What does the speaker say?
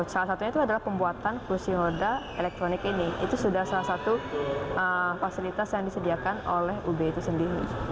salah satunya itu adalah pembuatan kursi roda elektronik ini itu sudah salah satu fasilitas yang disediakan oleh ub itu sendiri